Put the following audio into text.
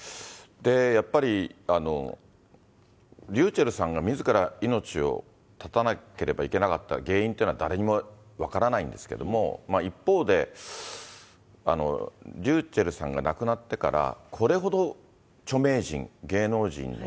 やっぱりｒｙｕｃｈｅｌｌさんがみずから命を絶たなければならなかった原因っていうのは誰にも分からないんですけど、一方で、ｒｙｕｃｈｅｌｌさんが亡くなってからこれほど著名人、芸能人の